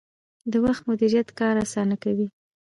د وخت مدیریت کار اسانه کوي